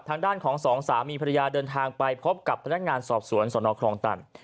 ทางด้านของสองสามีภรรยาเดินทางไปพบกับพนักงานสอบสวนสนครองตัน